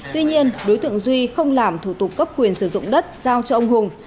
tuy nhiên đối tượng duy không làm thủ tục cấp quyền sử dụng đất giao cho ông hùng